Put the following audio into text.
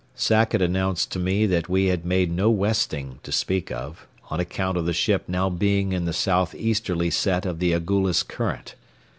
Sackett announced to me that we had made no westing to speak of, on account of the ship now being in the southeasterly set of the Agullas current.